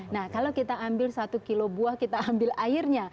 nah kalau kita ambil satu kilo buah kita ambil airnya